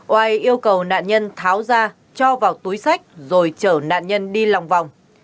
oai yêu cầu nạn nhân tháo ra cho vào túi sách rồi chở nạn nhân đi lòng vòng